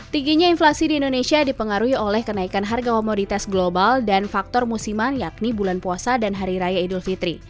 tingginya inflasi di indonesia dipengaruhi oleh kenaikan harga komoditas global dan faktor musiman yakni bulan puasa dan hari raya idul fitri